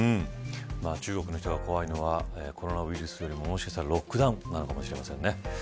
中国の人が怖いのはコロナウイルスよりももしかしたらロックダウンなのかもしれませんね。